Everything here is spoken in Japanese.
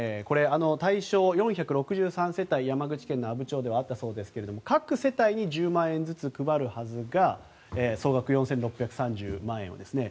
対象は４６３０世帯山口県の阿武町ではあったそうですけれども各世帯に１０万円ずつ配るはずが総額４６３０万円ですね。